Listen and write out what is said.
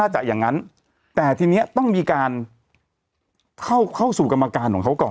จะอย่างนั้นแต่ทีนี้ต้องมีการเข้าเข้าสู่กรรมการของเขาก่อน